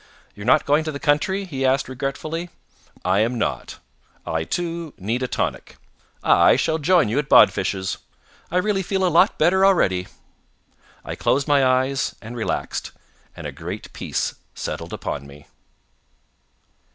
"You're not going to the country?" he asked regretfully. "I am not. I, too, need a tonic. I shall join you at Bodfish's. I really feel a lot better already." I closed my eyes, and relaxed, and a great peace settled upon me.